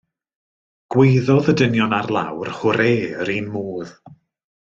Gwaeddodd y dynion ar lawr hwrê yr un modd.